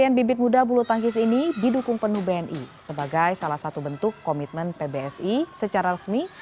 pembeli bibit muda bulu tangkis ini didukung penuh bni sebagai salah satu bentuk komitmen pbsi secara resmi